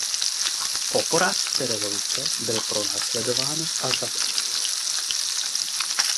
Po porážce revoluce byl pronásledován a zatčen.